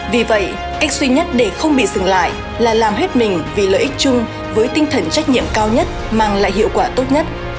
vì vậy cách duy nhất để không bị dừng lại là làm hết mình vì lợi ích chung với tinh thần trách nhiệm cao nhất mang lại hiệu quả tốt nhất